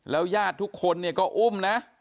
แล้วยาดทุกคนเนี่ยก็อุ้มนะ